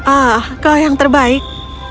ah kau yang terbaik